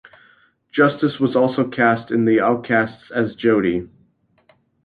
Justice was also cast in The Outcasts as Jodie.